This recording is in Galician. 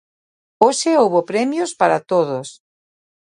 Hoxe houbo premios para todos.